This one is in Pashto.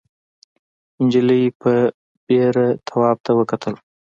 نجلۍ په بېره تواب ته وکتل.